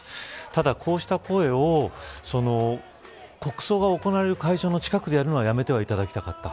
ただ、こうした声を国葬が行われる会場の近くでやるのはやめてはいただきたかった。